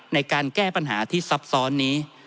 ในการแก้ปัญหาที่ซับซ้อนนี้